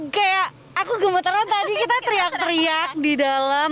kayak aku gemetaran tadi kita teriak teriak di dalam